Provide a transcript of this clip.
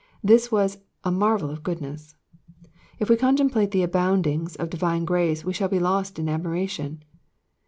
This was a marvel of goodness. If we contemplate the aboundings of divine grace we shall be lost in admira tion.